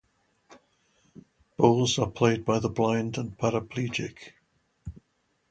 Bowls are played by the blind and paraplegic.